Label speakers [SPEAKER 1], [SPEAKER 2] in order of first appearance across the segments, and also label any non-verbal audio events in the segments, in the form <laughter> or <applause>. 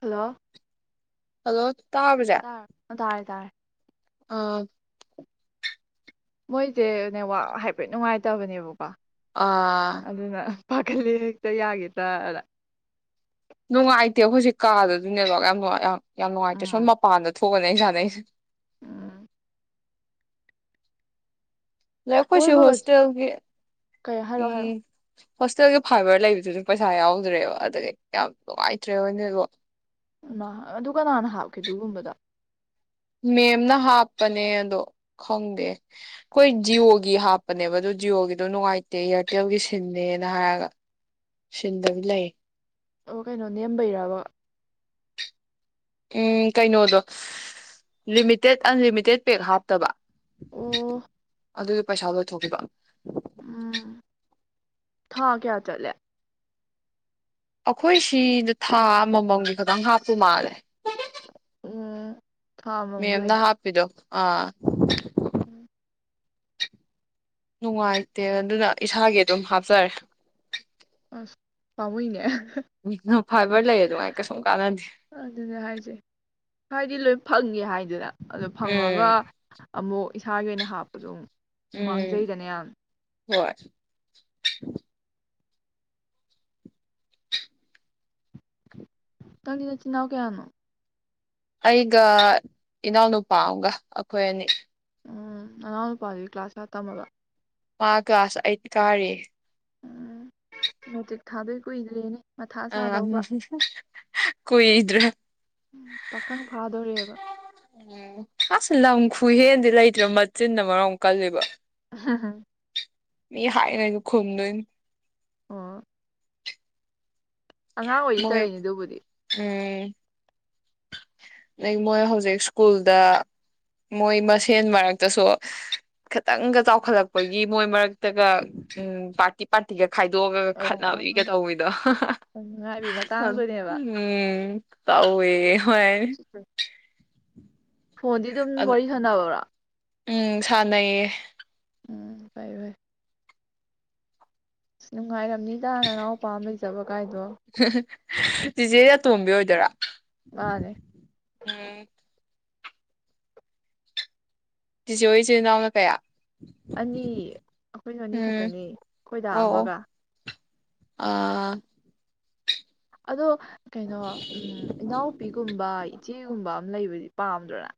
[SPEAKER 1] hello
[SPEAKER 2] hello ꯇꯥꯕꯁꯦ
[SPEAKER 1] ꯇꯥꯔ ꯇꯥꯔꯦ ꯇꯥꯔꯦ
[SPEAKER 2] ꯑꯥ
[SPEAKER 1] ꯃꯣꯏꯁꯦ ꯅꯦꯠꯋꯥꯛ ꯍꯥꯏꯐꯦꯠ ꯅꯨꯡꯉꯥꯏꯇꯕꯅꯦꯕ
[SPEAKER 2] ꯑꯥ
[SPEAKER 1] ꯑꯗꯨꯅ ꯄꯥꯈꯠꯂ ꯍꯦꯛꯇ ꯌꯥꯒꯤꯗ꯭ꯔꯥꯗ
[SPEAKER 2] ꯅꯨꯡꯉꯥꯏꯇꯦ ꯑꯩꯈꯣꯏꯁꯦ ꯀꯥꯗꯖꯨ ꯅꯦꯠꯋꯥꯛ ꯅꯨꯡꯉ ꯌꯥꯝ ꯌꯥꯝ ꯅꯨꯡꯉꯥꯏꯇꯦ ꯁꯣꯝ
[SPEAKER 1] ꯎꯝ
[SPEAKER 2] ꯃꯄꯥꯟ__ ꯊꯝꯊꯣꯛꯑꯒꯅꯦ ꯑꯩꯅꯥ ꯁꯅꯩꯁꯦ
[SPEAKER 1] ꯎꯝ
[SPEAKER 2] <unintelligible>
[SPEAKER 1] ꯀꯣꯏꯕꯒ
[SPEAKER 2] ꯍꯣꯁꯇꯦꯜꯒꯤ
[SPEAKER 1] ꯀꯩ ꯍꯥꯏꯔꯛꯑꯣ ꯍꯥꯏꯔꯛꯑꯣ
[SPEAKER 2] ꯎꯝ ꯍꯣꯁꯇꯦꯜꯒꯤ ꯐꯥꯏꯕꯔ ꯂꯩꯕꯗꯨꯁꯨ ꯄꯩꯁꯥ ꯌꯥꯎꯗ꯭ꯔꯦꯕ ꯑꯗꯒꯤ ꯌꯥꯝ ꯅꯨꯡꯉꯥꯏꯇ꯭ꯔꯦ ꯅꯣꯏꯕꯨ
[SPEAKER 1] ꯑꯗꯨ ꯀꯅꯥꯅ ꯍꯥꯞꯀꯦ ꯑꯗꯨꯒꯨꯝꯕꯗ
[SPEAKER 2] ꯃꯦꯝꯅ ꯍꯥꯞꯄꯅꯦ ꯑꯗꯣ ꯈꯪꯗꯦ ꯑꯩꯈꯣꯏ ꯖꯤꯌꯣꯒꯤ ꯍꯥꯞꯄꯅꯦꯕ ꯑꯗꯣ ꯖꯤꯌꯣꯒꯤꯗꯣ ꯅꯨꯡꯉꯥꯏꯇꯦ ꯏꯌꯥꯔꯇꯦꯜꯒꯤ ꯁꯤꯅꯦꯅ ꯍꯥꯏꯔꯒ ꯁꯤꯟꯗꯕꯤ ꯂꯩ
[SPEAKER 1] ꯑꯣ ꯀꯩꯅꯣ ꯅꯦꯝꯕꯩꯔꯕ
[SPEAKER 2] ꯎꯝ ꯀꯩꯅꯣꯗꯣ ꯂꯤꯃꯤꯇꯦꯠ ꯑꯟꯂꯤꯃꯤꯇꯦꯠ ꯄꯦꯛ ꯍꯥꯞꯇꯕ
[SPEAKER 1] ꯑꯣ
[SPEAKER 2] ꯑꯗꯨꯒꯤ ꯄꯩꯁꯥ ꯂꯣꯏꯊꯣꯛꯈꯤꯕ
[SPEAKER 1] ꯎꯝ ꯊꯥ ꯀꯌꯥ ꯆꯜꯦ
[SPEAKER 2] ꯑꯩꯈꯣꯏ ꯁꯤꯗ ꯊꯥ ꯑꯃꯃꯝꯒꯤ ꯈꯇꯪ ꯍꯥꯞꯄ ꯃꯥꯜꯂꯦ
[SPEAKER 1] ꯎꯝ ꯊꯥ ꯑꯃꯃꯝꯒꯤ
[SPEAKER 2] ꯃꯦꯝꯅ ꯍꯥꯞꯄꯤꯗꯣ ꯑꯥ
[SPEAKER 1] ꯎꯝ
[SPEAKER 2] ꯅꯨꯡꯉꯥꯏꯇꯦ ꯑꯗꯨꯅ ꯏꯁꯥꯒꯤ ꯑꯗꯨꯝ ꯍꯥꯞꯆꯔꯦ
[SPEAKER 1] ꯑꯁ ꯄꯥꯃꯨꯏꯅꯦ
[SPEAKER 2] ꯃꯤꯅ ꯐꯥꯏꯕꯔ ꯂꯩꯌꯦ ꯗꯨꯉꯥꯏ ꯀꯩꯁꯨꯝ ꯀꯥꯟꯅꯗꯤ
[SPEAKER 1] ꯑꯗꯨꯅꯦ ꯍꯥꯏꯁꯦ <unintelligible> ꯑꯗꯨ ꯐꯪꯉꯒ ꯑꯃꯨꯛ ꯏꯁꯥꯒꯤ ꯑꯣꯏꯅ ꯍꯥꯞꯄꯗꯣ ꯑꯃꯨꯛ
[SPEAKER 2] ꯎꯝ
[SPEAKER 1] ꯃꯥꯡꯖꯩꯗꯅꯦ ꯌꯥꯝ
[SPEAKER 2] ꯍꯣꯏ
[SPEAKER 1] ꯅꯪꯗꯤ ꯅꯆꯤꯟꯅꯎ ꯀꯌꯥꯅꯣ
[SPEAKER 2] ꯑꯩꯒ ꯏꯅꯥꯎꯅꯨꯄꯥ ꯑꯃꯒ ꯑꯩꯈꯣꯏ ꯑꯅꯤ
[SPEAKER 1] ꯎꯝ ꯑꯅꯥꯎ ꯅꯨꯄꯥꯗꯨꯒꯤ ꯀ꯭ꯂꯥꯁ ꯀꯌꯥ ꯇꯝꯃꯕ
[SPEAKER 2] ꯃꯥ ꯀꯂ꯭ꯥꯁ ꯑꯩꯠ ꯀꯥꯔꯤ
[SPEAKER 1] ꯎꯝ ꯃꯦꯇꯤꯛ ꯊꯥꯗꯣꯏ ꯀꯨꯏꯗ꯭ꯔꯦꯅꯦ ꯃꯊꯥ
[SPEAKER 2] ꯑ
[SPEAKER 1] ꯁꯥꯗꯧꯕ
[SPEAKER 2] ꯀꯨꯏꯗ꯭ꯔꯦ
[SPEAKER 1] ꯄꯥꯈꯪ ꯐꯥꯗꯣꯔꯦꯕ
[SPEAKER 2] <unintelligible> ꯂꯝ ꯈꯨꯍꯦꯟꯗꯤ ꯂꯩꯇ꯭ꯔꯦ ꯃꯆꯤꯟꯅ ꯃꯔꯣꯝ ꯀꯜꯂꯤꯕ
[SPEAKER 1] ꯍꯝ ꯍꯝ
[SPEAKER 2] ꯃꯤ ꯍꯥꯏꯒꯩꯁꯨ ꯈꯨꯝꯗꯣꯏꯅꯤ
[SPEAKER 1] ꯑꯣ ꯑꯉꯥꯡ ꯑꯣꯏꯔꯤ
[SPEAKER 2] ꯃꯣꯏ
[SPEAKER 1] ꯇꯧꯔꯤꯅꯦ ꯑꯗꯨꯕꯨꯗꯤ
[SPEAKER 2] ꯎꯝ ꯑꯗꯩ ꯃꯣꯏ ꯍꯧꯖꯤꯛ ꯁ꯭ꯀꯨꯜꯗ ꯃꯣꯏ ꯃꯁꯦꯟ ꯃꯔꯛꯇꯁꯨ ꯈꯤꯇꯪꯒ ꯆꯥꯎꯈꯠꯂꯛꯄꯒꯤ ꯃꯣꯏ ꯃꯔꯛꯇꯒ ꯄꯥꯔꯇꯤ ꯄꯥꯔꯇꯤꯒ ꯈꯥꯏꯗꯣꯛꯑꯒ
[SPEAKER 1] ꯑꯣ
[SPEAKER 2] ꯈꯠꯅꯕꯤꯒ
[SPEAKER 1] ꯑꯥ
[SPEAKER 2] ꯇꯧꯕꯤꯗꯣ
[SPEAKER 1] ꯉꯥꯏꯕꯤ ꯃꯇꯥꯡꯗꯨꯅꯦꯕ
[SPEAKER 2] <unintelligible> ꯇꯧꯋꯦ ꯍꯣꯏ
[SPEAKER 1] ꯐꯣꯟꯗꯤ ꯑꯗꯨꯝ
[SPEAKER 2] ꯑꯗꯨ
[SPEAKER 1] ꯋꯥꯔꯤ ꯁꯥꯟꯅꯕ꯭ꯔꯥ
[SPEAKER 2] ꯎꯝ ꯁꯥꯟꯅꯩꯌꯦ
[SPEAKER 1] ꯎꯝ ꯐꯩ ꯐꯩ ꯅꯨꯡꯉꯥꯏ <unintelligible> ꯗꯥ ꯅꯅꯥꯎꯄꯥꯝ ꯂꯩꯖ <unintelligible>
[SPEAKER 2] ꯆꯤꯆꯦ ꯇꯣꯝꯕꯤ ꯑꯣꯏꯗꯣꯏꯔꯣ
[SPEAKER 1] ꯃꯥꯅꯦ
[SPEAKER 2] ꯆꯤꯆꯦꯍꯣꯏ ꯏꯆꯤꯟ ꯏꯅꯥꯎꯅ ꯀꯌꯥ
[SPEAKER 1] ꯑꯅꯤ ꯑꯈꯣꯏꯖꯨ ꯑꯅꯤ
[SPEAKER 2] ꯎꯝ
[SPEAKER 1] ꯈꯛꯇꯅꯤ ꯑꯈꯣꯏ ꯗꯥ
[SPEAKER 2] ꯑꯣ ꯑꯣ
[SPEAKER 1] ꯑꯃꯒ
[SPEAKER 2] ꯑꯥ
[SPEAKER 1] ꯑꯗꯣ ꯀꯩꯅꯣ ꯎꯝ ꯏꯅꯥꯎꯄꯤꯒꯨꯝꯕ ꯏꯆꯦ ꯆꯦꯒꯨꯝꯕ ꯑꯃ ꯂꯩꯕꯗꯤ ꯄꯥꯝꯗ꯭ꯔꯣꯅ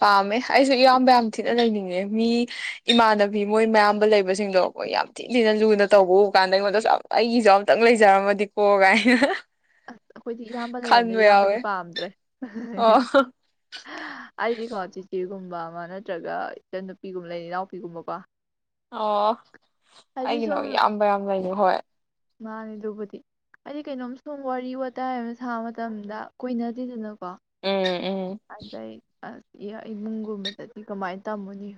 [SPEAKER 2] ꯄꯥꯝꯃꯦ ꯑꯩꯁꯨ ꯏꯌꯥꯝꯕ ꯌꯥꯝ ꯊꯤꯅ ꯂꯩꯅꯤꯡꯉꯦ ꯃꯤ ꯏꯃꯥꯟꯅꯕꯤ ꯃꯣꯏ ꯃꯌꯥꯝꯕ ꯂꯩꯕꯁꯤꯡꯗꯣ ꯑꯈꯣꯏ ꯌꯥꯝ ꯊꯤꯅ ꯊꯤꯅ ꯂꯨꯅ ꯇꯧꯕ ꯎ ꯀꯥꯟꯗ ꯑꯩꯉꯣꯟꯗꯁꯨ ꯑꯩꯒꯤꯁꯨ ꯑꯝꯇꯪ ꯂꯩꯖꯔꯝꯃꯗꯤꯀꯣ ꯀꯥꯏꯅ
[SPEAKER 1] ꯑꯁ ꯑꯈꯣꯏꯗꯤ ꯏꯌꯥꯝꯕ ꯂꯩꯔꯕꯅꯤꯅ
[SPEAKER 2] ꯈꯟꯕ
[SPEAKER 1] ꯏꯌꯥꯝꯕꯗꯤ
[SPEAKER 2] ꯌꯥꯎꯋꯦ
[SPEAKER 1] ꯄꯥꯝꯗ꯭ꯔꯦ
[SPEAKER 2] ꯑꯣ
[SPEAKER 1] ꯑꯩꯗꯤꯀꯣ ꯖꯤꯛꯇꯤ ꯅꯨꯄꯤꯒꯨꯝꯕ ꯑꯃ ꯅꯠꯇ꯭ꯔꯒ ꯏꯆꯟ ꯅꯨꯄꯤꯒꯨꯝꯕ ꯂꯩ ꯏꯅꯥꯎꯄꯤꯒꯨꯝꯕꯀꯣ
[SPEAKER 2] ꯑꯣ
[SPEAKER 1] ꯍꯥꯏꯗꯤ
[SPEAKER 2] ꯑꯩꯒꯤꯅ ꯏꯌꯥꯝꯕ ꯌꯥꯝ ꯂꯩꯅꯤ ꯍꯣꯏ
[SPEAKER 1] ꯃꯥꯅꯦ ꯑꯗꯨꯕꯨꯗꯤ ꯑꯩꯗꯤ ꯀꯩꯅꯣꯝ ꯁꯨꯝ ꯋꯥꯔꯤ ꯋꯥꯇꯥꯏ ꯑꯃ ꯁꯥꯕ ꯃꯇꯝꯗ ꯀꯣꯏꯅꯗꯦꯗꯅ
[SPEAKER 2] ꯎꯝ ꯎꯝ
[SPEAKER 1] ꯑꯗꯨꯗꯩ ꯑ ꯏ ꯏꯃꯨꯡꯒꯨꯝꯕꯗꯗꯤ ꯀꯃꯥꯏꯅ ꯇꯝꯃꯨꯅꯤ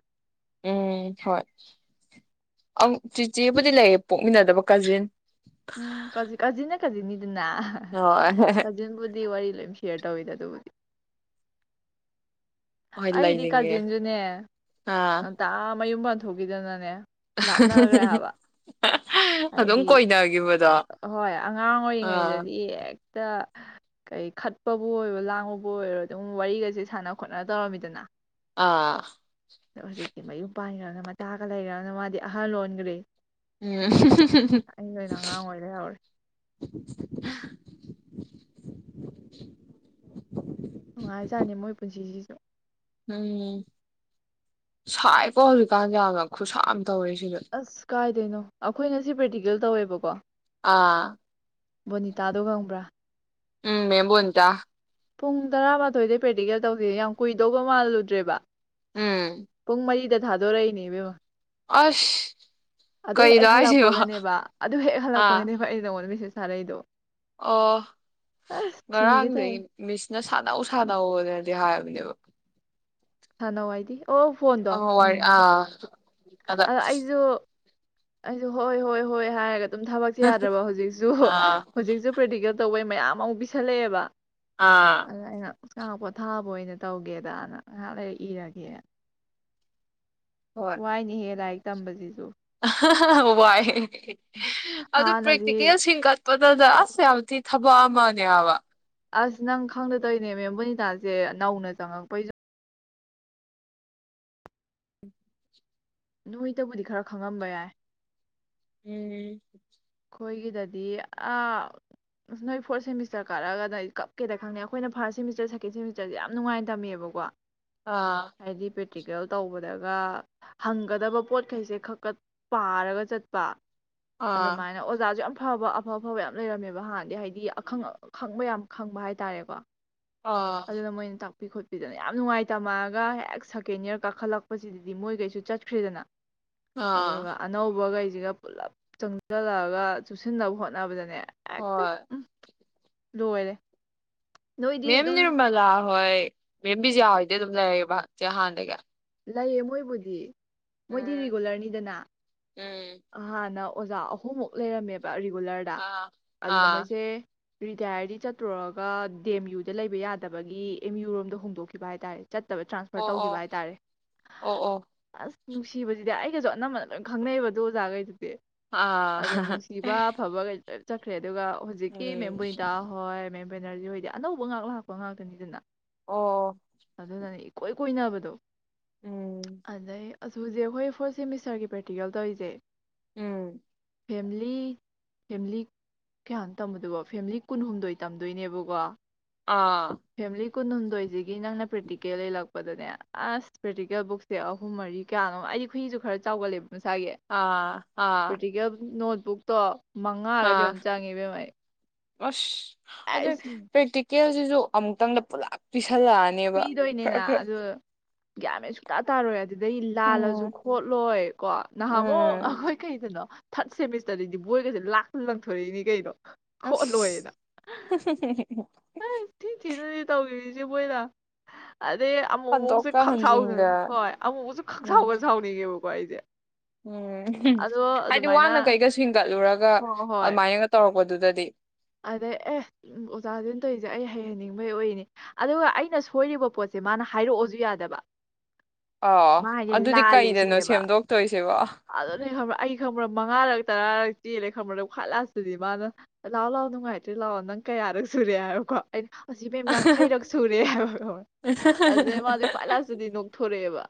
[SPEAKER 2] ꯎꯝ ꯍꯣꯏ ꯑ ꯆꯤꯆꯦꯕꯨꯗꯤ ꯂꯩꯌꯦ ꯄꯣꯛꯃꯤꯟꯅꯗꯕ ꯀꯖꯤꯟ
[SPEAKER 1] ꯎꯝ ꯀꯥꯖꯤꯟꯅ ꯀꯥꯖꯤꯟꯅꯤꯗꯨꯅ
[SPEAKER 2] ꯍꯣꯏ
[SPEAKER 1] ꯀꯥꯖꯤꯟꯕꯨꯗꯤ ꯋꯥꯔꯤ ꯂꯣꯏ ꯁꯦꯌꯥꯔ ꯇꯧꯋꯤꯗꯅ ꯑꯗꯨꯗꯕꯅꯤ
[SPEAKER 2] ꯍꯣꯏ
[SPEAKER 1] ꯑꯩꯗꯤ
[SPEAKER 2] ꯂꯩꯅꯤꯡꯉꯦ
[SPEAKER 1] ꯀꯥꯖꯤꯟꯁꯨꯅꯦ
[SPEAKER 2] ꯑꯥ
[SPEAKER 1] ꯑꯝꯇꯥ ꯃꯌꯨꯝ ꯄꯥꯟ ꯊꯣꯛꯣꯛꯈꯤꯗꯅꯅꯦ
[SPEAKER 2] <unintelligible> ꯑꯗꯨꯝ
[SPEAKER 1] ꯍꯥꯏꯗꯤ
[SPEAKER 2] ꯀꯣꯏꯅꯒꯤꯕꯗꯣ
[SPEAKER 1] ꯍꯣꯏ ꯑꯉꯥꯡ
[SPEAKER 2] ꯑꯥ
[SPEAKER 1] ꯑꯣꯏꯔꯤꯉꯩꯗꯗꯤ ꯍꯦꯛꯇ ꯀꯩ ꯈꯠꯄꯕꯨ ꯑꯣꯏꯔꯣ ꯂꯥꯡꯕꯕꯨ ꯑꯣꯏꯔꯣ ꯑꯗꯨꯝ ꯋꯥꯔꯤꯒꯁꯦ ꯁꯥꯟꯅ ꯈꯣꯠꯅ ꯇꯧꯔꯝꯃꯤꯗꯅ
[SPEAKER 2] ꯑꯥ
[SPEAKER 1] ꯑꯗ ꯍꯧꯖꯤꯛꯇꯤ ꯃꯌꯨꯝ ꯄꯥꯟꯈ꯭ꯔꯅ ꯃꯇꯥꯒ ꯂꯩꯈ꯭ꯔꯅ ꯃꯥꯗꯤ ꯑꯍꯜ ꯂꯣꯟꯈ꯭ꯔꯦ
[SPEAKER 2] ꯎꯝ
[SPEAKER 1] ꯑꯉꯥꯡ ꯑꯣꯏ ꯂꯩꯍꯧꯔꯦ ꯅꯨꯡꯉꯥꯏꯖꯥꯅꯤ ꯃꯣꯏ ꯄꯨꯟꯁꯤꯁꯤꯁꯨ
[SPEAKER 2] ꯎꯝ ꯁꯥꯏꯀꯣ ꯍꯧꯖꯤꯛꯀꯥꯟꯁ ꯌꯥꯝꯅ ꯈꯨꯠꯁꯥꯝ
[SPEAKER 1] ꯑꯁ ꯀꯥꯏꯗꯅꯣ ꯑꯩꯈꯣꯏꯅ ꯁꯤ ꯄ꯭ꯔꯦꯛꯇꯤꯀꯦꯜ ꯇꯧꯋꯦꯕꯀꯣ ꯀ
[SPEAKER 2] ꯑꯥ
[SPEAKER 1] ꯕꯣꯅꯤꯇꯥꯗꯣ ꯉꯪꯕ꯭ꯔꯥ
[SPEAKER 2] ꯎꯝ ꯃꯦꯝꯕꯨꯣꯇ
[SPEAKER 1] ꯄꯨꯡ ꯇꯔꯥꯃꯥꯊꯣꯏꯗꯩ ꯄ꯭ꯔꯦꯛꯇꯤꯀꯦꯜ ꯇꯧꯁꯦ ꯌꯥꯝ ꯀꯨꯏꯗꯧꯕ ꯃꯥꯜꯂꯨꯗ꯭ꯔꯦꯕ
[SPEAKER 2] ꯎꯝ
[SPEAKER 1] ꯄꯨꯡꯃꯔꯤ ꯊꯥꯗꯣ ꯔꯏꯅꯤꯕ
[SPEAKER 2] ꯑꯁ
[SPEAKER 1] ꯑꯗꯨ ꯍꯦꯛ
[SPEAKER 2] ꯀꯩꯅꯣ ꯍꯥꯏꯁꯤꯕꯣ
[SPEAKER 1] ꯍꯜꯂꯛꯄꯒꯅꯦꯕ ꯑꯗꯨ ꯍꯦꯛ
[SPEAKER 2] ꯑꯥ
[SPEAKER 1] ꯍꯜꯂꯛꯄꯒꯅꯦꯕ ꯑꯩ ꯅꯪꯉꯣꯟꯗꯁꯦ ꯇꯔꯩꯗꯣ
[SPEAKER 2] ꯑꯣ
[SPEAKER 1] ꯁꯤꯒꯦ ꯇꯧꯋꯦ
[SPEAKER 2] ꯉꯔꯥꯡꯗꯒꯤꯩ ꯃꯤꯁꯅ ꯁꯥꯟꯅꯧ ꯁꯥꯟꯅꯧꯅꯗꯤ ꯍꯥꯏꯕ ꯦ
[SPEAKER 1] ꯍꯅꯣꯥꯏꯗꯤ
[SPEAKER 2] ꯑ ꯋꯥ ꯑꯥ ꯑꯗ
[SPEAKER 1] ꯑ ꯑꯩꯁꯨ ꯑ ꯍꯣꯏ ꯍꯣꯏ ꯍꯣꯏ ꯍꯥꯏꯒꯦ ꯑꯗꯨꯝ ꯊꯕꯛꯁꯦ ꯌꯥꯗ꯭ꯔꯕ ꯍꯧꯖꯤꯛꯁꯨ
[SPEAKER 2] ꯑꯥ
[SPEAKER 1] ꯍꯧꯖꯤꯛꯁꯨ ꯄ꯭ꯔꯤꯗꯤ ꯑꯆꯧꯕꯩ ꯃꯌꯥꯝ ꯑꯃꯨꯛ ꯄꯤꯁꯜꯂꯛꯑꯦꯕ
[SPEAKER 2] ꯑꯥ
[SPEAKER 1] ꯑꯛꯆꯥꯥꯡ ꯄꯣꯊꯥꯕ ꯑꯣꯏꯅ ꯇꯧꯒꯦꯗꯅ ꯉꯥꯏꯍꯥꯛ ꯂꯩꯔ ꯏꯔꯒꯦ
[SPEAKER 2] ꯍꯣꯏ
[SPEAKER 1] ꯋꯥꯏꯅꯦꯍꯦ ꯂꯥꯏꯔꯤꯛ ꯇꯝꯕꯁꯤꯁꯨ
[SPEAKER 2] ꯍꯕꯥꯏ ꯑꯗꯨ
[SPEAKER 1] ꯍꯥꯟꯅꯗꯤ
[SPEAKER 2] ꯄ꯭ꯔꯦꯛꯇꯤꯀꯦꯜꯁꯤꯡꯒ ꯄꯇꯗ ꯑꯁ ꯌꯥꯝꯊꯤ ꯊꯕꯛ ꯑꯃꯅꯦ ꯍꯥꯏꯕ
[SPEAKER 1] ꯑꯁ ꯅꯪ ꯈꯪꯗꯇꯣꯏꯅꯦꯃꯦ ꯕꯨꯅꯤꯇꯥꯁꯦ ꯅꯧꯅ ꯆꯪꯉꯛꯄꯩꯖꯨ ꯅꯣꯏꯇꯕꯨꯗꯤ ꯈꯔ ꯈꯪꯉꯝꯕ ꯌꯥꯏ
[SPEAKER 2] ꯎꯝ
[SPEAKER 1] ꯑꯩꯈꯣꯏꯒꯤꯗꯗꯤ ꯑꯁ ꯅꯣꯏ ꯐꯣꯔꯠ ꯁꯦꯃꯤꯁꯇꯔ ꯀꯥꯔꯛꯒꯅ ꯀꯞꯀꯦꯗ ꯈꯪꯗꯦ ꯑꯩꯈꯣꯏꯅ ꯐꯥꯔꯁꯠ ꯁꯦꯃꯤꯁꯇꯔ ꯁꯦꯀꯦꯟ ꯁꯦꯃꯤꯁꯇꯔꯁꯦ ꯌꯥꯝ ꯅꯨꯡꯉꯥꯏꯅ ꯇꯝꯃꯦꯕꯀꯣ
[SPEAKER 2] ꯑꯥ
[SPEAKER 1] ꯍꯥꯏꯗꯤ ꯄꯦ ꯄ꯭ꯔꯦꯛꯇꯤꯔꯤꯀꯦꯜ ꯇꯧꯕꯗꯒ ꯍꯪꯒꯗꯕ ꯄꯣꯠꯈꯩꯁꯦ ꯈꯀ ꯄꯥꯔꯒ ꯆꯠꯄ
[SPEAKER 2] ꯑꯥ
[SPEAKER 1] ꯑꯗꯨꯃꯥꯏꯅ ꯑꯣꯖꯥꯁꯨ ꯌꯥꯝ ꯐꯕ ꯑꯐ ꯑꯐꯕ ꯌꯥꯝ ꯂꯩꯔꯝꯃꯦꯕ ꯍꯥꯟꯗꯤ ꯍꯥꯏꯗꯤ ꯑꯈꯪ ꯑꯈꯪꯕ ꯌꯥꯝ ꯈꯪꯕ ꯍꯥꯏꯇꯥꯔꯦꯀꯣ
[SPEAKER 2] ꯑꯥ
[SPEAKER 1] ꯑꯗꯨꯅ ꯃꯣꯏꯅ ꯇꯥꯛꯄꯤ ꯈꯣꯠꯄꯤ ꯄꯤꯗꯅ ꯌꯥꯝ ꯅꯨꯡꯉꯥꯏꯇꯝꯃꯛꯑꯥꯒ ꯍꯦꯛ ꯁꯦꯀꯦꯟ ꯏꯌꯥꯔ ꯀꯥꯈꯠꯂꯛꯄꯁꯤꯗꯗꯤ ꯃꯣꯏꯈꯩꯁꯨ ꯆꯠꯈ꯭ꯔꯦꯗꯅ
[SPEAKER 2] ꯑꯥ
[SPEAKER 1] ꯑꯗꯨꯒ ꯑꯅꯧꯕꯒꯩ ꯖꯤꯒ ꯄꯨꯂꯞ ꯆꯪ ꯒꯜꯂꯛꯑꯒ ꯆꯨꯞꯁꯤꯟꯅꯕ ꯍꯣꯠꯅꯕꯗꯅꯦ ꯑꯦꯛꯇ
[SPEAKER 2] ꯍꯣꯏ
[SPEAKER 1] ꯎꯝ ꯂꯣꯏꯔꯦ ꯅꯣꯏꯗꯤ
[SPEAKER 2] ꯃꯦꯝ
[SPEAKER 1] ꯑꯗꯨꯝ
[SPEAKER 2] ꯅꯤꯔꯃꯂꯥ ꯍꯣꯏ ꯃꯦꯝ ꯕꯤꯖꯤꯌꯥ ꯍꯣꯏꯗꯤ ꯑꯗꯨꯝ ꯂꯩꯔꯑꯦꯕ ꯆꯦ ꯍꯥꯟꯅꯗꯒꯤ
[SPEAKER 1] ꯂꯩꯌꯦ ꯃꯣꯏꯕꯨꯗꯤ ꯃꯣꯏꯗꯤ
[SPEAKER 2] ꯎꯝ
[SPEAKER 1] ꯔꯤꯒꯨꯂꯔꯅꯤꯗꯅ
[SPEAKER 2] ꯎꯝ
[SPEAKER 1] ꯍꯥꯟꯅ ꯑꯣꯖꯥ ꯑꯍꯨꯝꯃꯨꯛ ꯂꯩꯔꯝꯃꯦꯕ ꯔꯤꯒꯨꯂꯔꯗ
[SPEAKER 2] ꯑꯥ
[SPEAKER 1] ꯑꯗꯨꯗ
[SPEAKER 2] ꯑꯥ
[SPEAKER 1] ꯃꯣꯏꯁꯦ ꯔꯤꯇꯥꯌꯔꯗꯤ ꯆꯠꯇꯨꯔꯒ ꯗꯤ ꯑꯦꯝ ꯌꯨꯗ ꯂꯩꯕ ꯌꯥꯗꯕꯒꯤ ꯑꯦꯝ ꯌꯨꯨ ꯔꯣꯝꯗ ꯍꯣꯡꯗꯣꯛꯈꯤꯕ ꯍꯥꯏꯇꯥꯔꯦ ꯆꯠꯇꯕ ꯇ꯭ꯔꯥꯟꯁꯐꯔ
[SPEAKER 2] ꯑꯣ ꯑꯣ
[SPEAKER 1] ꯇꯧꯈꯤꯕ ꯍꯥꯏꯇꯥꯔꯦ
[SPEAKER 2] ꯑꯣ ꯑꯣ
[SPEAKER 1] ꯑꯁ ꯅꯨꯡꯁꯤꯕꯖꯤꯗꯤ ꯑꯩꯒꯁꯨ ꯑꯅꯝꯕꯅ ꯂꯣꯏꯅ ꯈꯪꯅꯩꯑꯕ ꯑꯗꯨ ꯑꯣꯖꯥꯈꯩꯗꯨꯗꯤ
[SPEAKER 2] ꯑ ꯍꯥ ꯍꯥ
[SPEAKER 1] ꯆꯠꯈꯔ꯭ꯦ ꯑꯗꯨꯒ ꯍꯧꯖꯤꯛꯀꯤ ꯃꯦꯝꯕꯨꯅꯤꯇ ꯍꯣꯏ ꯃꯦꯝ ꯕꯦꯅꯔꯖꯤ ꯑꯣꯏꯗꯤ ꯑꯅꯧꯕ ꯉꯍꯥꯛ ꯂꯥꯛꯄ ꯉꯥꯛꯇꯅꯤꯗꯅ
[SPEAKER 2] ꯑꯣ
[SPEAKER 1] ꯑꯗꯨꯅꯅꯦ ꯏꯀꯣꯏ ꯀꯣꯏꯅꯕꯗꯣ
[SPEAKER 2] ꯎꯝ
[SPEAKER 1] ꯑꯗꯩꯩ ꯑꯁ ꯍꯧꯖꯤꯛ ꯑꯩꯈꯣꯏ ꯐꯣꯔꯠ ꯁꯦꯃꯤꯁꯇꯔꯒꯤ ꯄ꯭ꯔꯦꯔꯇꯤꯀꯜ ꯇꯧꯔꯤꯁꯦ
[SPEAKER 2] ꯎꯝ
[SPEAKER 1] ꯐꯦꯝꯂꯤ ꯐꯦꯝꯂꯤ ꯀꯌꯥꯅꯣ ꯇꯝꯕꯗꯨꯕꯣ ꯐꯦꯃꯤꯂꯤ ꯀꯨꯟꯍꯨꯝꯗꯣꯏ ꯇꯝꯗꯣꯏꯅꯦꯕꯀꯣ
[SPEAKER 2] ꯑꯥ
[SPEAKER 1] ꯀꯨꯟ ꯍꯨꯝꯗꯣꯏ ꯖꯤ ꯒꯤ ꯅꯪꯅ ꯄ꯭ꯔꯦꯛꯇꯤꯀꯦꯜ ꯂꯩ ꯂꯥꯛ- ꯄꯗꯅꯦ ꯑꯁ ꯄ꯭ꯔꯦꯛꯇꯤꯀꯦꯜ ꯕꯨꯛꯁꯦ ꯑꯍꯨꯝ ꯃꯔꯤ ꯀꯌꯥꯅꯣꯝꯃ ꯑꯩꯗꯤ ꯈꯨꯨꯏꯖꯨ ꯈꯔ ꯆꯥꯎꯒꯠꯂꯦꯕ ꯃꯁꯥꯒꯤ
[SPEAKER 2] ꯑꯥ ꯑꯥ
[SPEAKER 1] ꯄ꯭ꯔꯦꯛꯇꯤꯀꯦꯜ ꯅꯣꯠ- ꯕꯨꯛꯇꯣ ꯃꯉꯥꯔ
[SPEAKER 2] ꯑꯥ
[SPEAKER 1] ꯀꯩꯅꯣꯝ ꯆꯪꯉꯤ ꯏꯕꯦꯝꯃ ꯑꯩ
[SPEAKER 2] ꯑꯁ ꯑꯗꯨꯏ
[SPEAKER 1] ꯑꯩꯁ
[SPEAKER 2] ꯄ꯭ꯔꯦꯛꯇꯤ- ꯀꯦꯜꯁꯤꯁꯨ ꯑꯃꯨꯛꯇꯪꯗ ꯄꯨꯂꯞ ꯄꯤꯁ- ꯁꯟꯂꯥꯛꯑꯅꯦꯕ ꯈꯔꯥ
[SPEAKER 1] ꯄꯤꯗꯣꯏꯅꯤꯅ
[SPEAKER 2] ꯈꯔꯥ
[SPEAKER 1] ꯑꯗꯨ ꯒ꯭ꯌꯥꯟ ꯃꯦꯟ ꯁꯨꯡꯇꯥ ꯇꯥꯔꯣꯏ ꯑ- ꯁꯤꯗꯩ ꯂꯥꯜꯂꯖꯨ
[SPEAKER 2] ꯎꯝ
[SPEAKER 1] ꯈꯣꯠꯂꯣꯏ ꯀꯣ ꯅꯍꯥꯃꯨꯛ
[SPEAKER 2] ꯎꯝ
[SPEAKER 1] ꯑꯩꯈꯣꯏ ꯀꯩꯗꯅꯣ ꯊꯥꯔꯠ ꯁꯦꯃꯤꯁꯇꯔꯗꯗꯤ ꯕꯣꯏꯒꯥꯁꯦ ꯂꯥꯛꯇꯅ ꯂꯪꯊꯣꯔꯛꯏꯅꯤ ꯀꯩꯅꯣ
[SPEAKER 2] ꯑꯁ
[SPEAKER 1] ꯈꯣꯠꯂꯣꯏꯅ
[SPEAKER 2] ꯍꯨꯡ ꯍꯨꯡ ꯍꯨꯡꯍꯨꯡ ꯍꯨꯡ ꯍꯨꯡ
[SPEAKER 1] ꯇꯧꯕꯤꯔꯤꯖꯤ ꯃꯣꯏꯅ ꯑꯗꯩ ꯑꯃꯨꯛꯃꯨꯛꯁꯨ
[SPEAKER 2] ꯍꯟꯗꯣꯛꯀ
[SPEAKER 1] ꯈꯪꯁꯥꯎꯁꯨ
[SPEAKER 2] ꯍꯟꯖꯤꯟꯒ
[SPEAKER 1] ꯍꯣꯏ ꯑꯃꯨꯛ ꯃꯨꯛꯁꯨ
[SPEAKER 2] ꯎꯝ
[SPEAKER 1] ꯈꯪꯁꯥꯎꯒ ꯁꯥꯎꯅꯤꯡꯉꯦꯕꯀꯣ ꯑꯩꯖꯦ
[SPEAKER 2] ꯎꯝ ꯎꯪꯍꯨꯝ ꯍꯥꯏꯗꯤ
[SPEAKER 1] ꯑꯗꯨꯃꯥꯏꯅ
[SPEAKER 2] ꯋꯥꯅ ꯀꯩꯒ ꯁꯤꯟꯒꯠꯂꯨꯔꯒ
[SPEAKER 1] ꯍꯣꯏ ꯍꯣꯏ
[SPEAKER 2] ꯑꯗꯨꯃꯥꯏꯅꯒ ꯇꯧꯔꯛꯄꯗꯨꯗꯗꯤ
[SPEAKER 1] ꯑꯗꯩ ꯑꯦ ꯎꯝ ꯑꯣꯖꯥꯖꯤꯅ ꯇꯧꯔꯤꯖꯦ ꯑꯩ ꯍꯩꯍꯟꯅꯤꯡꯕꯩ ꯑꯣꯏꯅꯤ ꯑꯗꯨꯒ ꯑꯩꯅ ꯁꯣꯏꯔꯤꯕ ꯄꯣꯠꯁꯦ ꯃꯥꯅ ꯍꯥꯏꯔꯛꯑꯣꯁꯨ ꯌꯥꯗꯕ
[SPEAKER 2] ꯑꯣ
[SPEAKER 1] ꯃꯥ ꯍꯥꯏꯁꯦ
[SPEAKER 2] ꯑꯗꯨꯗꯤ
[SPEAKER 1] ꯂꯥꯜꯂꯦ
[SPEAKER 2] ꯀꯩꯗꯅꯣ
[SPEAKER 1] ꯁꯤꯅꯦꯕ
[SPEAKER 2] ꯁꯦꯝꯗꯣꯛꯇꯣꯏꯁꯤꯕꯣ
[SPEAKER 1] ꯑꯗꯨꯅꯦ ꯈꯪꯕ꯭ꯔꯥ ꯑꯩ ꯈꯪꯕ꯭ꯔꯥ ꯃꯉꯥꯔꯛ ꯇꯔꯥꯔꯛ ꯆꯦꯜꯂꯦ ꯈꯪꯕꯗ ꯈ꯭ꯋꯥꯏ ꯂꯥꯁꯇꯗꯤ ꯃꯥꯅ- ꯂꯥꯛꯑꯣ ꯂꯥꯛꯑꯣ ꯅꯨꯡꯉꯥꯏꯇ꯭ꯔꯦ ꯂꯥꯛꯑꯣ ꯅꯪ ꯀꯌꯥꯔꯛ ꯁꯨꯔꯦ ꯍꯥꯏꯕꯀꯣ ꯑꯩꯅ- ꯑꯁꯤ ꯏꯕꯦꯝ ꯌꯥꯡꯈꯩꯔꯛ ꯁꯨꯔꯦ ꯍꯥꯏꯕ ꯑꯗꯨꯗꯩ ꯃꯥꯁꯦ ꯈ꯭ꯋꯥꯏ ꯂꯥꯁꯇꯗꯤ ꯅꯣꯛꯊꯣꯔꯛꯑꯦꯕ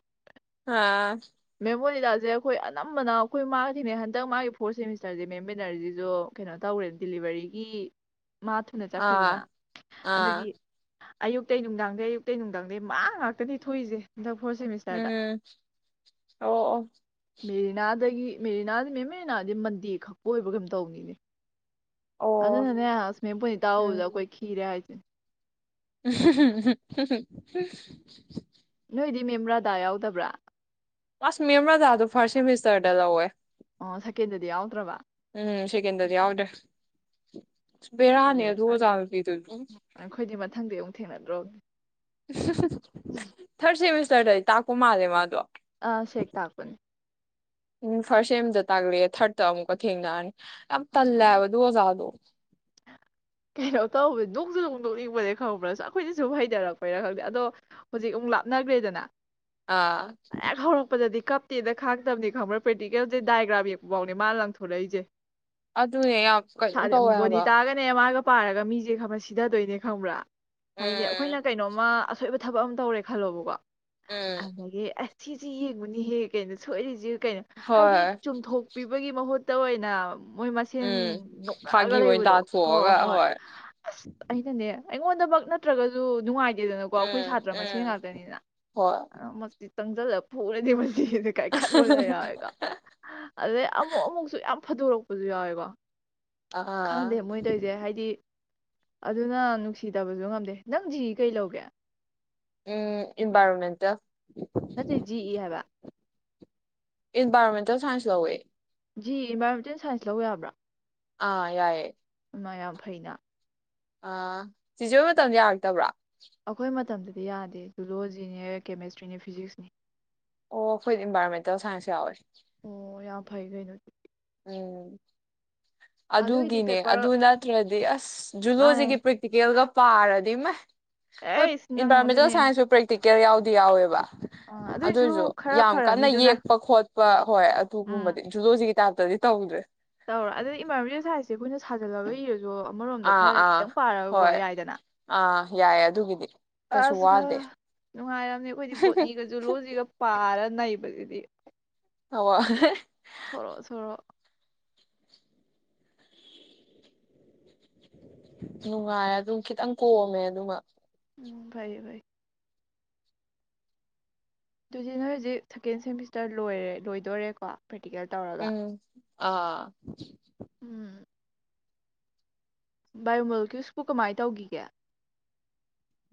[SPEAKER 2] ꯑꯥ
[SPEAKER 1] ꯃꯦꯃꯣꯅꯤꯗ ꯖꯦ ꯑꯩꯈꯣꯏ ꯑꯅꯝꯕꯅ ꯑꯩꯈꯣꯏ ꯃꯥꯒ ꯊꯦꯡꯅꯩ ꯍꯟꯗꯛ ꯃꯥꯒꯤ ꯐꯣꯔꯠ ꯁꯦꯃꯤꯁꯇꯔꯖꯦ ꯃꯦꯝ ꯕꯦꯅꯔꯖꯤꯖꯨ ꯀꯩꯅꯣ ꯇꯧꯔꯦ- ꯗꯤꯂꯤꯚꯔꯤꯒꯤ ꯃꯥ ꯊꯨꯅ ꯆꯠꯈ꯭ꯔꯦꯗꯅ
[SPEAKER 2] ꯑꯥ
[SPEAKER 1] ꯑꯗꯨꯒꯤ
[SPEAKER 2] ꯑꯥ
[SPEAKER 1] ꯑꯌꯨꯛꯇꯩ ꯅꯨꯡꯗꯥꯡꯗꯩ ꯑꯌꯨꯛꯇꯩ ꯅꯨꯡꯗꯥꯡꯗꯩ ꯃꯥ ꯉꯥꯛꯇꯅꯤ ꯊꯣꯛꯏꯖꯦ ꯍꯟꯗꯛ ꯐꯣꯔꯠ ꯁꯦꯃꯤꯁꯇꯔꯗ
[SPEAKER 2] ꯎꯝ ꯑꯣ ꯑꯣ
[SPEAKER 1] ꯃꯦꯔꯤꯅꯥꯗꯒꯤ ꯃꯦꯔꯤꯅꯥꯗꯤ ꯃꯦꯝ ꯃꯦꯔꯤꯅꯥꯗꯤ ꯃꯟꯗꯦ ꯈꯛꯄꯨ ꯑꯣꯏꯕ꯭ꯔꯥ ꯀꯩꯅꯣꯝ ꯇꯧꯕꯅꯤꯅꯦ
[SPEAKER 2] ꯑꯣ
[SPEAKER 1] ꯑꯗꯨꯅꯅꯦ ꯑꯁ ꯃꯦꯝ ꯄꯨꯅꯤꯇꯥ ꯎꯕꯗ ꯑꯩꯈꯣꯏ ꯈꯤꯔꯦ ꯍꯥꯏꯖꯦ
[SPEAKER 2] ꯍꯨꯝ ꯍꯨꯝ ꯍꯨꯝ ꯍꯨꯝ ꯍꯨꯝ ꯍꯍ-
[SPEAKER 1] ꯅꯣꯏꯗꯤ ꯃꯦꯝ ꯔꯗꯥ ꯌꯥꯎꯗꯕ꯭ꯔꯥ
[SPEAKER 2] ꯑꯁ ꯃꯦꯝ ꯔꯊꯥꯗꯣ ꯐꯥꯔꯁ ꯁꯦꯃꯤꯁꯇꯔꯗ ꯂꯧꯋꯦ
[SPEAKER 1] ꯑꯣ ꯁꯀꯦꯟꯗꯗꯤ ꯌꯥꯎꯗ꯭ꯔꯕ
[SPEAKER 2] ꯎꯝ ꯁꯤꯒꯗꯗꯤ ꯌꯥꯎꯗ꯭ꯔ <unintelligible> ꯕꯦꯔꯥꯅꯦ ꯑꯗꯨ ꯑꯣꯖꯥꯅ ꯄꯤꯗꯣꯏꯅ
[SPEAKER 1] ꯑꯩꯈꯣꯏꯗꯤ ꯃꯊꯪꯗꯤ ꯑꯃꯨꯛ ꯊꯦꯡꯅꯗ꯭ꯔꯣ
[SPEAKER 2] ꯊꯥꯔꯠ ꯁꯦꯃꯤꯁꯇꯔꯗ ꯀ ꯃꯥꯥꯔꯦ ꯃꯥ ꯑꯗꯨ
[SPEAKER 1] ꯑ ꯁꯦꯦꯛ ꯇꯥꯀꯟ
[SPEAKER 2] ꯎꯝ ꯐꯥꯔꯁ ꯑꯦꯝꯗ ꯇꯥꯛꯂꯛꯑꯦ ꯊꯥꯔꯠꯇ ꯑꯃꯨꯛꯀ ꯊꯦꯡꯅꯔꯅꯤ ꯌꯥꯝ ꯇꯜꯂꯕ ꯑꯗꯨ ꯑꯣꯖꯥꯗꯣ
[SPEAKER 1] ꯀꯩꯅꯣ ꯇꯧꯕꯧꯕ ꯅꯣꯡꯁꯨ ꯅꯣꯡꯗꯣꯛꯅꯤꯡꯕꯗ ꯈꯪꯉꯕ꯭ꯔꯥꯁꯨ ꯑꯩꯈꯣꯏꯅ ꯁꯨꯝ ꯍꯩꯊꯔꯛꯄꯣꯏꯔꯥ ꯈꯪꯗꯦ ꯑꯗꯣ ꯍꯧꯖꯤꯛ ꯑꯃꯨꯛ ꯂꯥꯞꯅꯈ꯭ꯔꯦꯗꯅ
[SPEAKER 2] ꯑꯥ
[SPEAKER 1] ꯀꯞꯇꯦꯗ ꯈꯥꯛꯛꯇꯕꯅꯤ ꯈꯪꯕ꯭ꯔꯥ ꯄ꯭ꯔꯦꯛꯇꯤꯀꯦꯜꯁꯦ ꯗꯥꯏꯒ꯭ꯔꯥꯝ ꯌꯦꯛꯄ ꯐꯥꯎꯅꯦ ꯃꯥꯅ ꯂꯪꯊꯣꯔꯂꯛꯏꯁꯦ
[SPEAKER 2] ꯑꯗꯨꯅꯦ ꯌꯥꯝ ꯀꯩꯅꯣꯝ ꯇꯧꯋꯦ ꯍꯥꯏꯕ
[SPEAKER 1] ꯇꯥꯒꯅꯦ ꯄꯥꯔꯒ ꯃꯤꯁꯦ ꯈ ꯁꯤꯊꯗꯣꯏꯅꯦ ꯈꯪꯕ꯭ꯔꯥ ꯍꯥꯏꯗꯤ
[SPEAKER 2] ꯎꯝ
[SPEAKER 1] ꯑꯩꯈꯣꯏꯅ ꯀꯩꯅꯣꯝꯃ ꯑꯁꯣꯏꯕ ꯊꯕꯛ ꯑꯃ ꯇꯧꯔꯦ ꯈꯜꯂꯣꯕꯀꯣ
[SPEAKER 2] ꯎꯝ
[SPEAKER 1] ꯑꯗꯨꯦꯁ ꯁꯤꯁꯤ ꯌꯦꯡꯕꯅꯤ ꯍꯍꯦ ꯀꯩꯅꯣ ꯁꯣꯏꯔꯤꯁꯦ ꯀꯩꯅꯣ ꯍꯥꯏꯗꯤ
[SPEAKER 2] ꯍꯣꯏ
[SPEAKER 1] ꯆꯨꯝꯊꯣꯛꯄꯤꯕꯒꯤ ꯃꯍꯨꯠ ꯇꯑꯣ ꯑꯣꯏꯅ ꯃꯣꯏ ꯃꯁꯦꯟ
[SPEAKER 2] ꯎꯝ
[SPEAKER 1] ꯅꯣꯛꯅꯛꯑꯒ
[SPEAKER 2] ꯐꯥꯒꯤ ꯑꯣꯏꯅ
[SPEAKER 1] ꯂꯩꯕꯗꯣ ꯍꯣ
[SPEAKER 2] ꯇꯥꯊꯣꯛꯑꯒ
[SPEAKER 1] ꯍꯣꯏ ꯑꯁ ꯑꯩꯅꯅꯦ ꯑꯩꯉꯣꯟꯗꯃꯛ ꯅꯠꯇ꯭ꯔꯒꯁꯨ ꯅꯨꯡꯉꯥꯏ ꯀꯦꯗꯅꯀꯣ ꯑꯩꯈꯣꯏ
[SPEAKER 2] ꯎꯝ
[SPEAKER 1] ꯁꯥꯇ꯭ꯔ ꯃꯁ
[SPEAKER 2] ꯎꯝ
[SPEAKER 1] ꯉꯥꯛꯇꯅꯤꯅ
[SPEAKER 2] ꯍꯣꯏ
[SPEAKER 1] ꯆꯪꯁꯤꯜꯂꯒ ꯐꯔꯗꯤ ꯀꯥꯏ ꯈꯟꯕꯒ ꯌꯥꯎꯋꯦꯀ ꯑꯗꯩ ꯑꯃꯨꯛ ꯑꯃꯨꯛꯁꯨ ꯌꯥꯝ ꯊꯥꯗꯣꯔꯛꯄꯁꯨ ꯌꯥꯎꯏꯦꯀꯣ
[SPEAKER 2] ꯑꯥ
[SPEAKER 1] ꯃꯣꯏꯅ ꯇꯧꯁꯦ ꯍꯥꯏꯗꯤ ꯑꯗꯨꯅ ꯅꯨꯡꯁꯤꯗꯕꯁꯨ ꯉꯝꯗꯦ ꯅꯪ ꯀꯩ ꯂꯧꯒꯦ
[SPEAKER 2] ꯎꯝ ꯏꯟꯚꯥꯏꯔꯣꯟꯃꯦꯟꯇꯦꯜ
[SPEAKER 1] ꯅꯠꯇ ꯖꯤ ꯏ ꯍꯥꯏꯕ
[SPEAKER 2] ꯏꯟꯚꯥꯏꯔꯣꯣꯟꯃꯦꯟꯇꯦꯜ ꯁꯥꯏꯟꯁ ꯂꯧꯋꯦ
[SPEAKER 1] ꯖꯤ ꯏꯟꯚꯥꯏꯔꯣꯟꯃꯦꯟꯇꯦꯜ ꯁꯥꯏꯟꯁ ꯂꯧꯕ ꯌꯥꯕ꯭ꯔꯥ
[SPEAKER 2] ꯑꯥ ꯌꯥꯑꯦ
[SPEAKER 1] ꯃꯥ ꯌꯥꯝ ꯐꯩꯅ
[SPEAKER 2] ꯑ ꯆꯤꯖꯦ ꯃꯇꯝꯗ ꯌꯥꯔꯛꯇꯕ꯭ꯔꯥ
[SPEAKER 1] ꯑꯩꯈꯣꯏ ꯃꯇꯝꯗꯗꯤ ꯌꯥꯗꯦ ꯖꯨꯣꯂꯣꯖꯤꯅꯦ ꯀꯦꯃꯦꯁꯇ꯭ꯔꯤꯅꯦ ꯐꯤꯖꯤꯛꯁꯅꯦ
[SPEAKER 2] ꯑꯣ ꯑꯩꯈꯣꯏꯗꯤ ꯏꯟꯚꯥꯏꯔꯣꯟꯃꯦꯟꯇꯦꯜ ꯁꯥꯏꯟꯁ ꯌꯥꯎꯋꯦ
[SPEAKER 1] ꯊꯥꯏꯒ ꯅ
[SPEAKER 2] ꯎꯝ
[SPEAKER 1] ꯑꯗꯨꯏꯗꯤ
[SPEAKER 2] ꯑꯗꯨꯒꯤꯅꯦ
[SPEAKER 1] ꯄꯦꯄꯔ
[SPEAKER 2] ꯑꯗꯨ ꯅꯠꯇ꯭ꯔꯗꯤ ꯑꯁ
[SPEAKER 1] ꯃꯥꯅꯦ
[SPEAKER 2] ꯖꯨꯂꯣꯖꯤꯒꯤ ꯄ꯭ꯔꯦꯛꯇꯤꯀꯦꯜꯒ ꯄꯥꯔꯗꯤ ꯃ ꯍꯣꯏ
[SPEAKER 1] ꯑꯦꯁ ꯅꯪ
[SPEAKER 2] ꯏꯟꯚꯥꯏꯔꯣꯟꯃꯦꯟꯇꯦꯜ
[SPEAKER 1] ꯑꯗꯨꯅꯦ
[SPEAKER 2] ꯁꯥꯏꯟꯁꯁꯨ ꯄ꯭ꯔꯦꯛꯇꯤꯀꯦꯜ ꯌꯥꯎꯗ ꯗꯤ ꯌꯥꯎꯋꯦꯕ
[SPEAKER 1] ꯑꯥ ꯑꯗꯨꯏꯁꯨ
[SPEAKER 2] ꯑꯗꯨꯁꯨ
[SPEAKER 1] ꯈꯔ
[SPEAKER 2] ꯌꯥꯝ ꯀꯟꯅ
[SPEAKER 1] ꯐꯔꯅꯤꯗꯨꯅ
[SPEAKER 2] ꯌꯦꯛꯄ ꯈꯣꯠꯄ ꯋꯥ ꯍꯣꯏ ꯑꯗꯨꯒꯨꯝꯕꯗꯤꯨ ꯍꯧꯖꯤꯛ ꯇꯥꯗ꯭ꯔꯗꯤ ꯇꯧꯗ꯭ꯔꯦ
[SPEAKER 1] ꯇꯧꯔ ꯑꯗꯨꯅ ꯏꯃꯥꯅꯕꯤ ꯁꯥꯥꯏꯁ ꯑꯩꯈꯅ ꯁꯥꯖꯜꯂꯒ ꯏꯔꯁꯨꯣ ꯣꯝꯗ
[SPEAKER 2] ꯑꯥ
[SPEAKER 1] ꯈꯔ
[SPEAKER 2] ꯑꯥ
[SPEAKER 1] ꯈꯤꯇꯪ ꯄꯔꯗ
[SPEAKER 2] ꯍꯣꯏ ꯑꯥ ꯌꯥꯏꯌꯦ ꯑꯗꯨꯒꯤꯗꯤ
[SPEAKER 1] ꯑ
[SPEAKER 2] ꯀꯩꯁꯨ ꯋꯥꯗꯦ
[SPEAKER 1] ꯅꯨꯡꯉꯣ ꯅꯕꯗꯤ ꯁꯣꯔꯣ
[SPEAKER 2] ꯑ ꯅꯨꯡꯉꯥꯏ ꯑꯗꯨꯝ ꯈꯤꯇꯪ ꯀꯣꯝꯃꯦ ꯑꯗꯨꯃ
[SPEAKER 1] ꯎꯝ ꯐꯥꯏꯌꯦ ꯐꯥꯏ ꯑꯗꯨꯗꯤ ꯅꯣꯏ ꯍꯧꯖꯤꯛ ꯁꯦꯀꯦꯟ ꯁꯦꯃꯤꯁꯇꯔ ꯂꯣꯏꯔꯦ ꯂꯣꯏꯗꯣꯔꯦꯀꯣ ꯄ꯭ꯔꯦꯛꯇꯤꯀꯦꯜ ꯇꯧꯔꯒ
[SPEAKER 2] ꯎꯝ ꯑꯥ
[SPEAKER 1] ꯎꯝ ꯕꯥꯏꯑꯣꯃꯣꯜꯀꯤ꯭ꯌꯨꯁꯄꯨ ꯀꯃꯥꯏ ꯇꯧꯈꯤꯒꯦ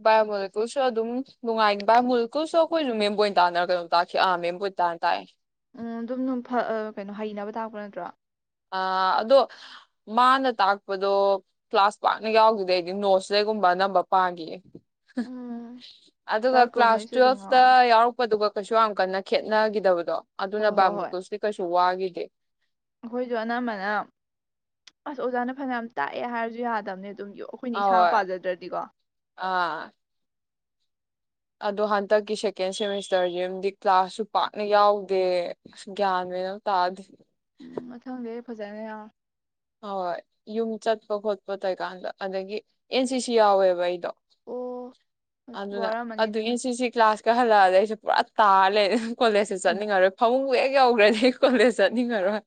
[SPEAKER 2] ꯕꯥꯏꯑꯣꯃꯣꯂꯤꯀꯨꯜꯁꯨ ꯑꯗꯨꯝ ꯅꯨꯡꯉꯥꯏꯅꯤ ꯕꯥꯏꯑꯣꯃꯣꯂꯤꯀꯨꯁꯨ ꯑꯩꯈꯣꯏꯁꯨ ꯃꯦꯝꯕꯣꯏꯟ ꯇꯥꯅꯔ ꯀꯩꯅꯣ ꯇꯥꯛꯈꯤ ꯑꯥ ꯃꯦꯝꯕꯣꯏꯟ ꯇꯥꯅ ꯇꯥꯛꯑꯦ
[SPEAKER 1] ꯎꯝ ꯑꯗꯨꯝ ꯀꯩꯅꯣ ꯍꯩꯅꯕ ꯇꯥꯛꯄ ꯅꯠꯇ꯭ꯔꯣ
[SPEAKER 2] ꯑ ꯑꯗꯣ ꯃꯥꯅ ꯇꯥꯛꯄꯗꯣ ꯀ꯭ꯂꯥꯁ ꯄꯥꯛꯅ ꯌꯥꯎꯈꯤꯗ ꯑꯩꯗꯤ ꯅꯣꯠꯁꯤꯗꯩꯒꯨꯝꯕ ꯑꯅꯝꯕ ꯄꯥꯈꯤꯌꯦ
[SPEAKER 1] ꯎꯝ
[SPEAKER 2] ꯑꯗꯨꯒ ꯀ꯭ꯂꯥꯁ
[SPEAKER 1] ꯀꯨꯝꯍꯩꯁꯨ ꯑꯗꯨꯝ
[SPEAKER 2] ꯇꯨꯋꯦꯜꯐꯇ
[SPEAKER 1] ꯉꯥꯎꯋꯤ
[SPEAKER 2] ꯌꯥꯎꯔꯛꯄꯗꯨꯒ ꯀꯩꯁꯨ ꯌꯥꯝ ꯀꯟꯅ ꯈꯦꯠꯅꯈꯤꯗꯕꯗꯣ ꯑꯗꯨꯅ
[SPEAKER 1] ꯍꯣꯏ ꯍꯣꯏ ꯍꯣꯏ
[SPEAKER 2] ꯕꯥꯕꯨꯨꯀꯨꯁꯤꯗꯤ ꯀꯩꯁꯨ ꯋꯥꯏꯦ ꯗꯦ
[SPEAKER 1] ꯑꯩꯈꯣꯏꯁꯨ ꯑꯅꯝꯕꯅ ꯑꯁ ꯑꯣꯖꯥꯅ ꯐꯅꯌꯥꯝ ꯇꯥꯛꯑꯦ ꯍꯥꯏꯔꯁꯨ ꯌꯥꯗꯕꯅꯦ ꯑꯗꯨꯝꯒꯤ ꯑꯩꯈꯣꯏꯅ ꯏꯁꯥꯅ
[SPEAKER 2] ꯑꯍꯣꯏ
[SPEAKER 1] ꯄꯥꯖꯗ꯭ꯔꯗꯤꯀꯣ
[SPEAKER 2] ꯑꯥ ꯑꯗꯣ ꯍꯟꯗꯛꯀꯤ ꯁꯦꯀꯦꯟ ꯁꯦꯃꯤꯁꯇꯔꯁꯤꯝꯗꯤ ꯀ꯭ꯂꯥꯁꯁꯨ ꯄꯥꯛꯅ ꯌꯥꯎꯗꯦ ꯑ ꯒ꯭ꯌꯥꯟ ꯃꯅ ꯇꯥꯑꯗꯤ
[SPEAKER 1] ꯎꯝ ꯃ ꯍꯪꯦ ꯐꯖꯅꯦ
[SPEAKER 2] ꯍ ꯍꯣꯏ ꯌꯨꯝ ꯆꯠꯄ ꯈꯣꯠꯄ ꯇꯩꯀꯥꯟꯗ ꯑꯗꯒꯤ ꯑꯦꯟ ꯁꯤ ꯁꯤ ꯌꯥꯎꯋꯦꯕ ꯑꯩꯗꯣ
[SPEAKER 1] ꯑꯣ ꯑꯁ
[SPEAKER 2] ꯑꯗꯨꯅ
[SPEAKER 1] ꯋꯥꯔꯝꯃꯅꯤ
[SPEAKER 2] ꯑꯗꯨ
[SPEAKER 1] ꯑꯗꯨꯅ
[SPEAKER 2] ꯑꯦꯁ ꯁꯤ ꯀ ꯀ꯭ꯂꯥꯁꯥꯁ ꯀ ꯍꯜꯂꯛꯑꯗ ꯑꯩꯁꯨꯦ ꯄꯨꯔꯥ ꯇꯥꯜꯂꯦ ꯀꯣꯂꯦꯖꯁ
[SPEAKER 1] ꯎꯝ
[SPEAKER 2] ꯆꯠꯅꯤꯡꯉꯔꯣꯏ ꯐꯃꯨꯡ ꯌꯧꯈ꯭ꯔꯗꯤ ꯑꯩ ꯀꯣꯂꯦꯖ ꯆꯠꯅꯤꯡꯉꯔꯣꯏ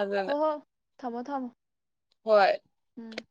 [SPEAKER 2] ꯑꯗꯨꯅ
[SPEAKER 1] ꯍ ꯊꯝꯃꯣ ꯊꯝꯃꯣ
[SPEAKER 2] ꯍꯣꯏ
[SPEAKER 1] ꯎꯝ